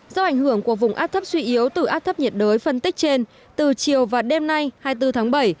do ảnh hưởng của vùng áp thấp suy yếu từ áp thấp nhiệt đới phân tích trên từ chiều và đêm nay hai mươi bốn tháng bảy